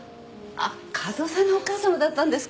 和夫さんのお母さまだったんですか。